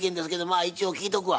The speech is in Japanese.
あ一応聞いとくわ。